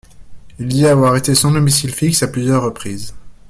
Il dit avoir été sans domicile fixe à plusieurs reprises.